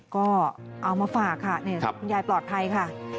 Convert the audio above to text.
ก็เอามาฝากค่ะคุณยายปลอดภัยค่ะ